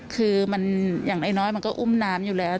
คือมันอย่างน้อยมันก็อุ้มน้ำอยู่แล้ว